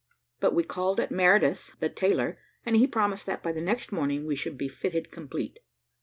But we called at Meredith the tailor's, and he promised that, by the next morning, we should be fitted complete.